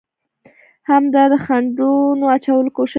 هم د خنډانو اچولو کوشش کوو،